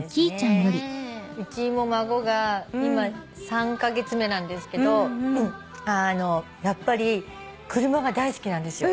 うちも孫が今３カ月目なんですけどやっぱり車が大好きなんですよ。